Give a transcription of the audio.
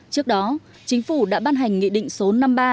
trước đó chính phủ đã ban hành nghị định số năm mươi ba hai nghìn một mươi ba